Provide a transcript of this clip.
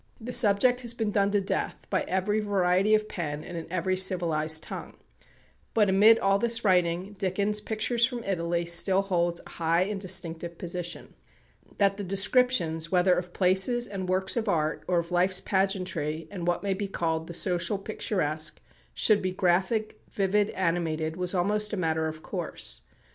The subject has been done to death by every variety of pen, and in every civilized tongue. But amid all this writing, Dickens' "Pictures from Italy" still holds a high and distinctive position. That the descriptions, whether of places and works of art, or of life's pageantry, and what may be called the social picturesque, should be graphic, vivid, animated, was almost a matter of course.